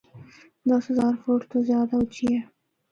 دس ہزار فٹ تو زیادہ اُچی ہے۔